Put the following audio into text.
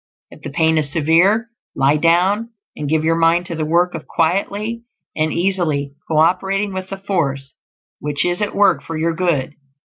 If the pain is severe, lie down and give your mind to the work of quietly and easily co operating with the force which is at work for your good.